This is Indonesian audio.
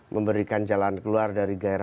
memberikan jalan keluar dari gaya ekstremisme